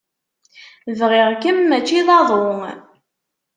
Bɣiɣ-kem mačči d aḍu.